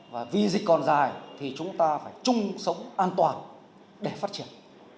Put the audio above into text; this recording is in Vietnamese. và vì dịch còn dài thì chúng ta phải chung sống an toàn để phát triển